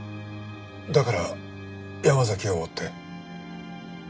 だから山崎を追って。